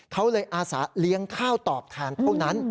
เขาเลยอาสาเลี้ยงข้าวตอบแทนเท่านั้น